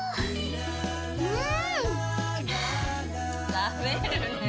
食べるねぇ。